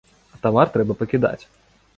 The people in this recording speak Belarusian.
А тавар трэба пакідаць!